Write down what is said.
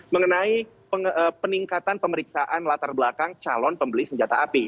mengenai peningkatan pemeriksaan latar belakang calon pembeli senjata api